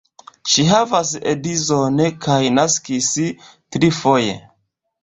Ŝi havas edzon kaj naskis trifoje.